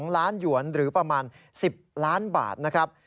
๒ล้านหยวนหรือประมาณ๑๐ล้านบาทนะครับ